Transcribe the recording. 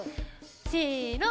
せの！